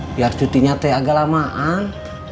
biar cutinya teh agak lamaan